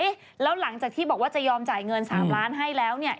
แล้วหลังจากที่บอกว่าจะยอมจ่ายเงิน๓ล้านให้แล้วเนี่ย